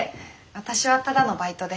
私はただのバイトで。